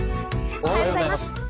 おはようございます。